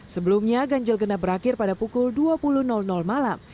sebelumnya ganjil genap berakhir pada pukul dua puluh malam